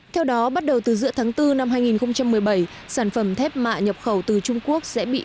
theo đó bắt đầu từ giữa tháng bốn năm hai nghìn một mươi bảy sản phẩm thép mạ nhập khẩu từ trung quốc sẽ bị